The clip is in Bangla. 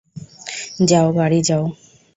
যাও বাড়ি যাও?